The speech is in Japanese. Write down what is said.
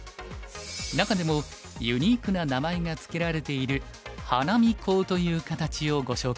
中でもユニークな名前が付けられている「花見コウ」という形をご紹介しましょう。